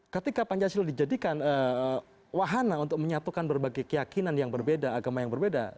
ketika pancasila dijadikan wahana untuk menyatukan berbagai keyakinan yang berbeda agama yang berbeda